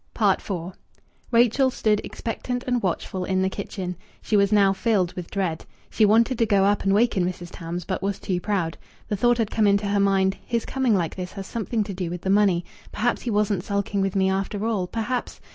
IV Rachel stood expectant and watchful in the kitchen. She was now filled with dread. She wanted to go up and waken Mrs. Tams, but was too proud. The thought had come into her mind: "His coming like this has something to do with the money. Perhaps he wasn't sulking with me after all. Perhaps